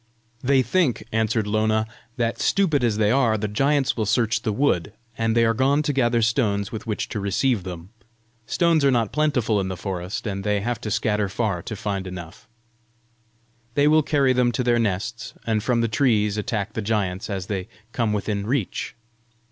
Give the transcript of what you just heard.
"They think," answered Lona, "that, stupid as they are, the giants will search the wood, and they are gone to gather stones with which to receive them. Stones are not plentiful in the forest, and they have to scatter far to find enow. They will carry them to their nests, and from the trees attack the giants as they come within reach.